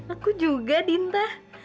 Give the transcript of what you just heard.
aku juga dinta